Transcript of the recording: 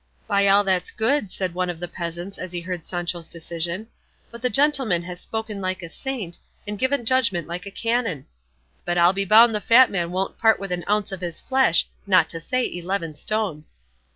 "By all that's good," said one of the peasants as he heard Sancho's decision, "but the gentleman has spoken like a saint, and given judgment like a canon! But I'll be bound the fat man won't part with an ounce of his flesh, not to say eleven stone."